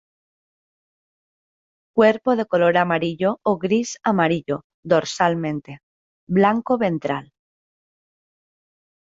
Cuerpo de color amarillo o gris-amarillo dorsalmente, blanco ventral.